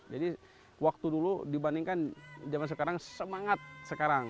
jadi waktu dulu dibandingkan zaman sekarang semangat sekarang